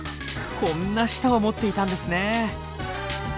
こんな舌を持っていたんですね。